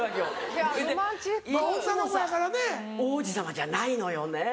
いつもさ王子様じゃないのよね。